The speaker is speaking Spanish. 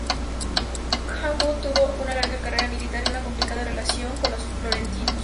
Hawkwood tuvo una larga carrera militar y una complicada relación con los florentinos.